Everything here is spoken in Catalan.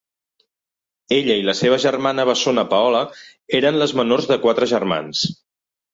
Ella i la seva germana bessona Paola eren les menors de quatre germans.